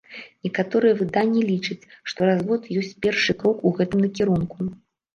Некаторыя выданні лічаць, што развод ёсць першы крок у гэтым накірунку.